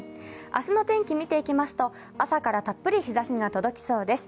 明日の天気を見ていきますと朝からたっぷり日ざしが届きそうです。